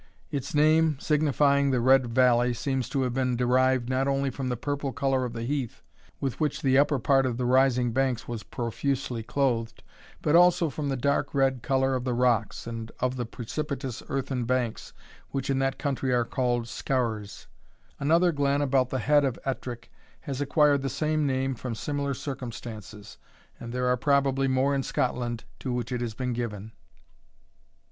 Its name, signifying the Red Valley, seems to have been derived, not only from the purple colour of the heath, with which the upper part of the rising banks was profusely clothed, but also from the dark red colour of the rocks, and of the precipitous earthen banks, which in that country are called scaurs. Another glen, about the head of Ettrick, has acquired the same name from similar circumstances; and there are probably more in Scotland to which it has been given.